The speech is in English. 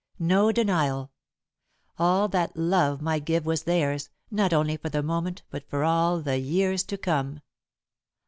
No denial! All that Love might give was theirs, not only for the moment but for all the years to come.